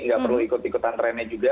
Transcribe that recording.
nggak perlu ikut ikutan trennya juga